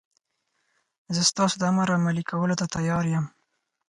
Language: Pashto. زه ستاسو د امر عملي کولو ته تیار یم.